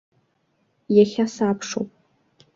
Иахьа сабшоуп.